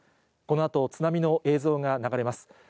このあと、津波の映像が流れます。